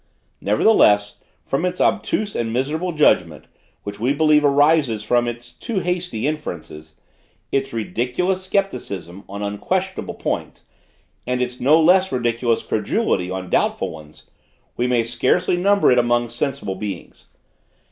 Nevertheless, from its obtuse and miserable judgment which we believe arises from its too hasty inferences its ridiculous scepticism on unquestionable points, and its no less ridiculous credulity on doubtful ones, we may scarcely number it among sensible beings.